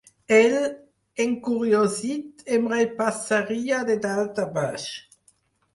Ell, encuriosit, em repassaria de dalt a baix.